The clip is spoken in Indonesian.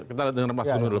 kita denger mas gunggun dulu